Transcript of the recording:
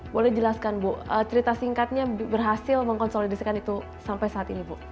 boleh jelaskan ibu cerita singkatnya berhasil mengonsolidasi itu sampai saat ini ibu